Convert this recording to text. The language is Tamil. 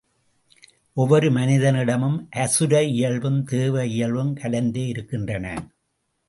ஒவ்வொரு மனிதனிடமும் அசுர இயல்பும் தேவ இயல்பும் கலந்தே இருக்கின்றன.